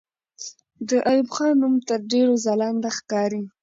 د ایوب خان نوم تر ډېرو ځلانده ښکاري.